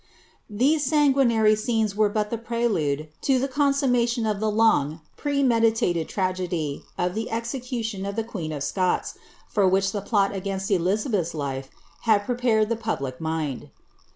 These Bangiiinary scenes were but ihe prelude to ibe consummilMI of the long premedilaled Iragedv of the cxeciiiioB of ihe quMM a Scots, for which the plot against Elizabeth's life had prepared the pW lie mind.